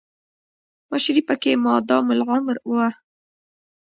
مشري پکې مادام العمر وه.